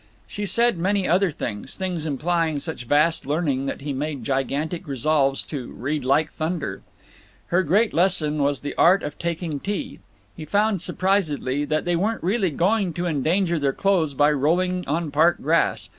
She said many other things; things implying such vast learning that he made gigantic resolves to "read like thunder." Her great lesson was the art of taking tea. He found, surprisedly, that they weren't really going to endanger their clothes by rolling on park grass.